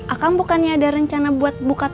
akang bukannya ada rencana buat buka rumahnya